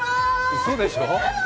うそでしょ？